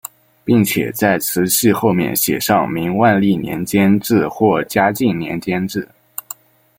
并且在瓷器后面写上明万历年间制或嘉靖年间制。